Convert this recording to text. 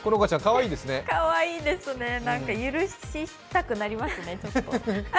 かわいいですね、許したくなりますね。